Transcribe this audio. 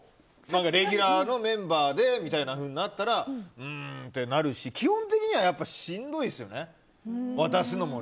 レギュラーのメンバーでみたいになったらうーんってなるし、基本的にはしんどいですよね、渡すのも。